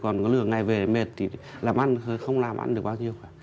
còn lửa ngày về mệt thì làm ăn không làm ăn được bao nhiêu